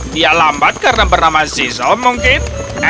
dia lambat karena bernama season mungkin